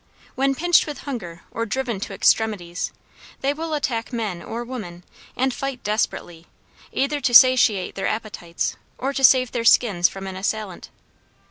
When pinched with hunger or driven to extremities, they will attack men or women and fight desperately, either to satiate their appetites or to save their skins from an assailant.